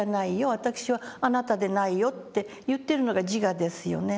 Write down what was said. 私はあなたでないよ」って言ってるのが自我ですよね。